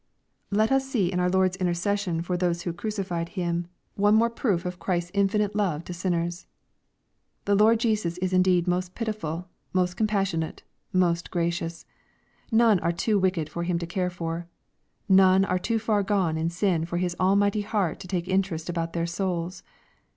Let us see in our Lord's intercession for those who crucified Him, one more proof of Christ's infinite love ta 464 EXPOSITORY THOUaHTS, Binners. The Lord Jesus is iudeed most pitiful, most compassionate, most gracious. None are too wicked for Him to care for. None are too far gone in sin for his almighty heart to take interest about their souls.